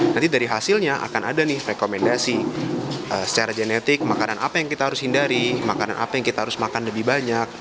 nanti dari hasilnya akan ada nih rekomendasi secara genetik makanan apa yang kita harus hindari makanan apa yang kita harus makan lebih banyak